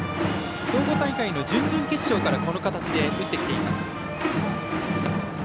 兵庫大会の準々決勝からこの形で打ってきています。